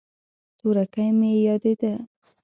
تورکى مې رايادېده.